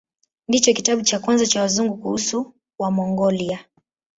Ndicho kitabu cha kwanza cha Wazungu kuhusu Wamongolia.